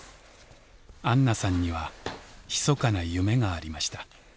あんなさんにはひそかな夢がありました。